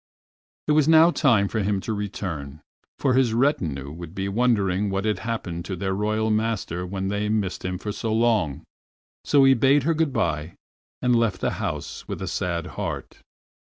It was now time for him to return, for his retinue would be wondering what had happened to their Royal master when they missed him for so long. So he bade her good by, and left the house with a sad heart.